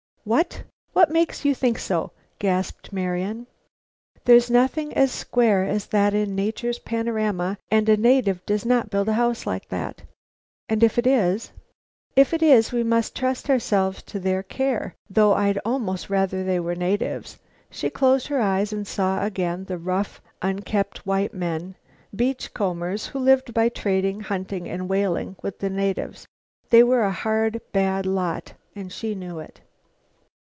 "Wha what makes you think so?" gasped Marian. "There's nothing as square as that in nature's panorama. And a native does not build a house like that." "And if it is?" "If it is, we must trust ourselves to their care, though I'd almost rather they were natives." She closed her eyes and saw again the rough, unkempt white men, beach combers, who lived by trading, hunting and whaling with the natives. They were a hard, bad lot, and she knew it.